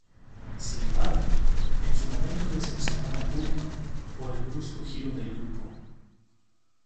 Sin embargo, en su momento decepcionó al público por el brusco giro del grupo.